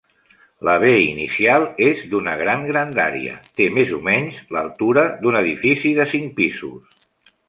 La B inicial és d'una gran grandària, té més o menys l'altura d'un edifici de cinc pisos.